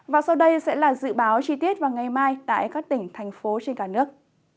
và sau đây sẽ là dự báo chi tiết vào ngày mai tại các tỉnh thành phố trên cả nước